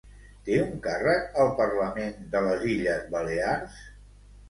Té un càrrec al Parlament de les Illes Balears?